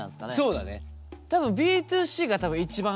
そうだね。